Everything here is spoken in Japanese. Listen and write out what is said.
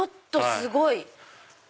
すごい！